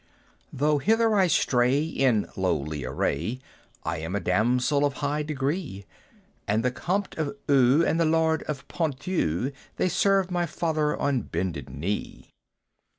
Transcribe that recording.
"Though hither I stray in lowly array, I am a damsel of high degree; And the Compte of Eu, and the Lord of Ponthieu, They serve my father on bended knee!